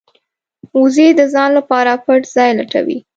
وزې د ځان لپاره پټ ځای لټوي